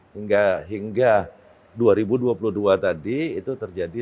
hingga dua ribu dua puluh dua tadi itu terjadi